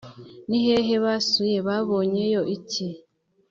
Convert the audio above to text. ni hehe basuye? babonyeyo iki?